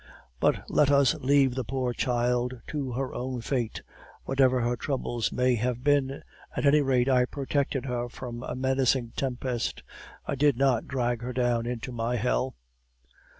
But let us leave the poor child to her own fate. Whatever her troubles may have been, at any rate I protected her from a menacing tempest I did not drag her down into my hell.